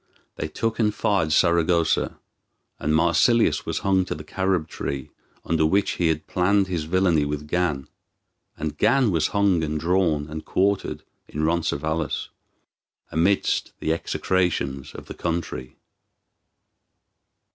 They took and fired Saragossa, and Marsilius was hung to the carob tree under which he had planned his villainy with Gan; and Gan was hung and drawn and quartered in Roncesvalles, amidst the execrations of the country.